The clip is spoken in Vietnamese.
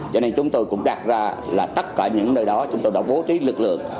cho nên chúng tôi cũng đặt ra là tất cả những nơi đó chúng tôi đã bố trí lực lượng